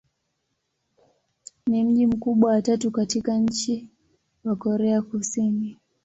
Ni mji mkubwa wa tatu katika nchi wa Korea Kusini.